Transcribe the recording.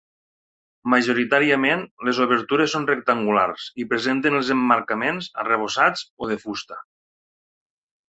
Majoritàriament, les obertures són rectangulars i presenten els emmarcaments arrebossats o de fusta.